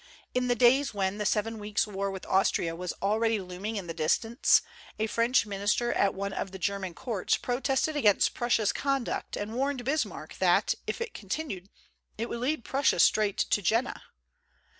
In the days when the Seven Weeks' War with Austria was already looming in the distance, a French minister at one of the German courts protested against Prussia's conduct and warned Bismarck that, if it continued, it would lead Prussia straight to Jena.